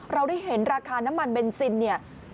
เราได้เห็นราคาน้ำมันเบนซินเนี่ย